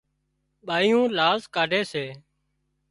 ٻايُون لاز ڪاڍي سي